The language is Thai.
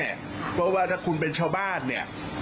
เพราะว่าถ้าคุณเป็นชาวบ้านเนี่ย